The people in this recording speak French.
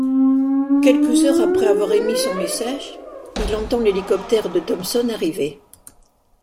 Quelques heures après avoir émis son message, il entend l'hélicoptère de Thompson arriver.